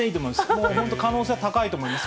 もう本当、可能性は高いと思います。